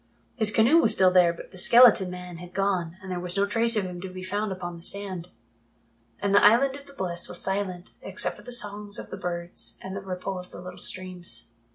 His canoe was still there, but the skeleton man had gone and there was not a trace of him to be found upon the sand. And the Island of the Blest was silent except for the songs of the birds and the ripple of the little streams.